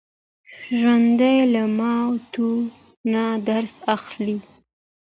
ژوندي له ماتو نه درس اخلي